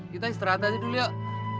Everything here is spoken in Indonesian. kita istirahat aja dulu yuk